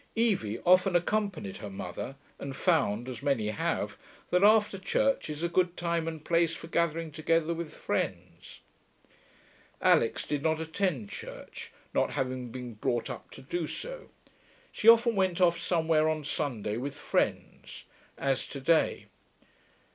Evie often accompanied her mother, and found, as many have, that after church is a good time and place for the gathering together of friends. Alix did not attend church, not having been brought up to do so. She often went off somewhere on Sunday with friends, as to day.